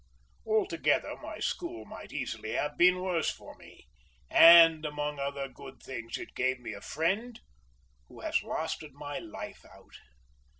Altogether my school might easily have been worse for me, and among other good things it gave me a friend who has lasted my life out.